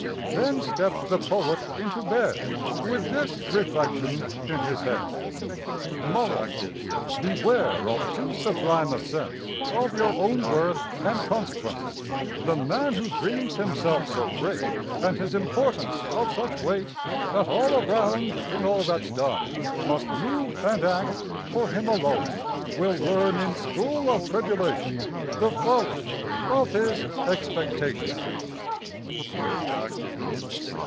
Then stepp'd the poet into bed With this reflection in his head: MORAL. Beware of too sublime a sense Of your own worth and consequence: The man who dreams himself so great, And his importance of such weight, That all around, in all that's done, Must move and act for him alone, Will learn in school of tribulation The folly of his expectation.